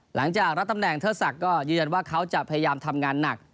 หลังจากรับตำแหน่งเทิดศักดิ์ก็ยืนยันว่าเขาจะพยายามทำงานหนัก